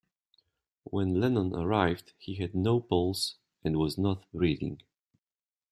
When Lennon arrived, he had no pulse and was not breathing.